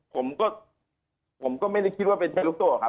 ผมก็ไม่ได้คิดว่าเป็นแชร์ลูกโซ่หรอกครับ